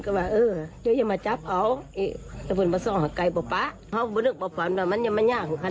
เกือบฝนอ้อยก็บอก